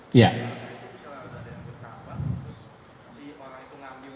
ada yang bertambah